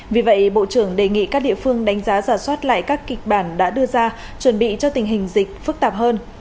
vì vậy bộ trưởng đề nghị các địa phương đánh giá giả soát lại các kịch bản đã đưa ra chuẩn bị cho tình hình dịch phức tạp hơn